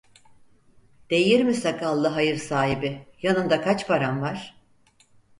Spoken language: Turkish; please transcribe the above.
Değirmi sakallı hayır sahibi: "Yanında kaç paran var?"